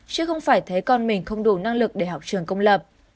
chứ không phải thấy con mình không đủ năng lực để học trường công lập